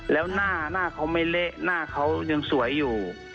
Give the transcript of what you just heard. แล้วหน้าเขาไม่เละหน้าเขายังสวยอยู่